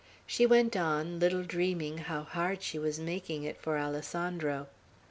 She went on, little dreaming how hard she was making it for Alessandro.